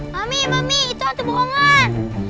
mami mami itu ada bohongan